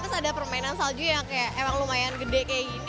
terus ada permainan salju yang kayak emang lumayan gede kayak gini